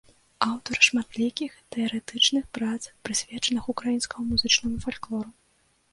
Аўтар шматлікіх тэарэтычных прац, прысвечаных украінскаму музычнаму фальклору.